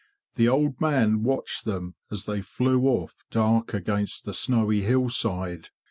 The old man watched them as they flew off dark against the snowy hillside.